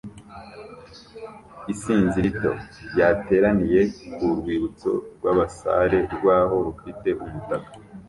Isinzi rito ryateraniye ku rwibutso rw'abasare rwaho rufite umutaka